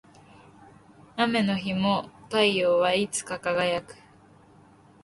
雨の日も太陽はいつか輝く